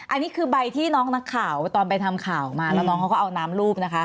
อันนี้คือใบที่น้องนักข่าวตอนไปทำข่าวมาแล้วน้องเขาก็เอาน้ำรูปนะคะ